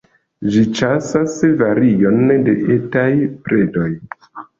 Ĝi ĉasas varion de etaj predoj.